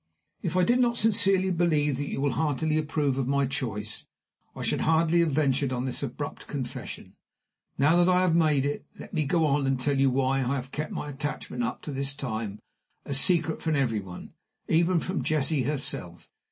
"If I did not sincerely believe that you will heartily approve of my choice, I should hardly have ventured on this abrupt confession. Now that I have made it, let me go on and tell you why I have kept my attachment up to this time a secret from every one even from Jessie herself.